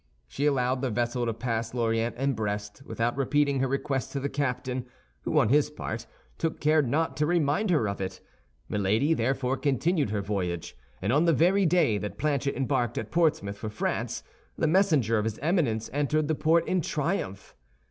She allowed the vessel to pass Lorient and Brest without repeating her request to the captain, who, on his part, took care not to remind her of it. Milady therefore continued her voyage, and on the very day that Planchet embarked at Portsmouth for France, the messenger of his Eminence entered the port in triumph.